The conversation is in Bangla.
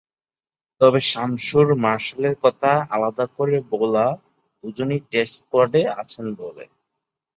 তবে শামসুর-মার্শালের কথা আলাদা করে বলা দুজনই টেস্ট স্কোয়াডে আছেন বলে।